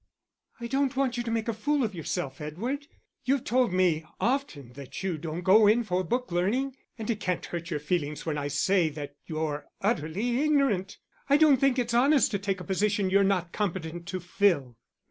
"I don't want you to make a fool of yourself, Edward. You've told me often that you don't go in for book learning; and it can't hurt your feelings when I say that you're utterly ignorant. I don't think its honest to take a position you're not competent to fill."